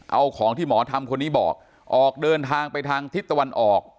เอาของที่หมอทำคนนี้บอกออกเดินทางไปทางทิศตะวันออก